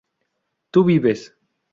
tú vives